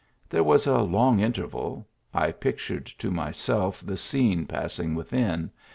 There was a long interval I pictured to myself the scene passing within.